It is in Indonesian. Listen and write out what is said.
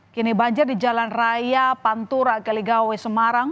kini banjir di jalan raya pantura galigawai semarang